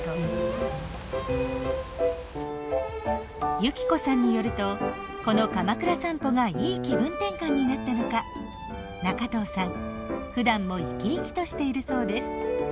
由希子さんによるとこのかまくら散歩がいい気分転換になったのか仲藤さんふだんも生き生きとしているそうです。